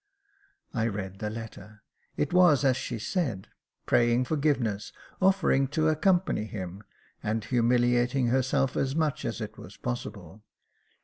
I read the letter : it was as she said, praying forgiveness, offering to accompany him, and humiliating herself as much as it was possible.